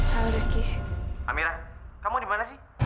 amira kamu dimana sih